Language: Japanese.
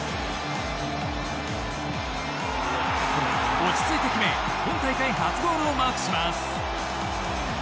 落ち着いて決め、今大会初ゴールをマークします。